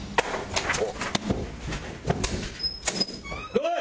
おい！